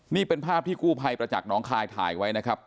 นี่เป็นภาพที่กู้ภัยประจักษ์น้องคายถ่ายไว้นะครับ